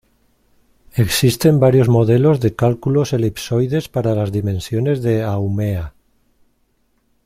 Existen varios modelos de cálculos elipsoides para las dimensiones de Haumea.